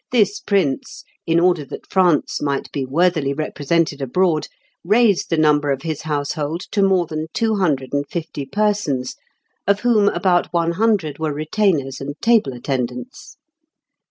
this prince, in order that France might be worthily represented abroad, raised the number of his household to more than two hundred and fifty persons, of whom about one hundred were retainers and table attendants.